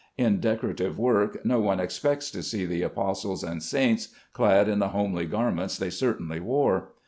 In decorative work no one expects to see the apostles and saints clad in the homely garments they certainly wore.